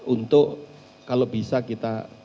untuk kalau bisa kita